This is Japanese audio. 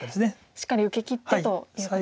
しっかり受けきってということですね。